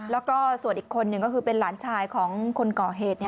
แล้วก็ส่วนอีกคนหนึ่งก็คือเป็นหลานชายของคนก่อเหตุ